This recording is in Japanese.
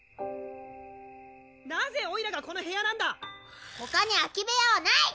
なぜおいらがこの部屋なんだ⁉ほかに空き部屋はない！